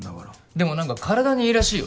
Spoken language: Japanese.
でも何か体にいいらしいよ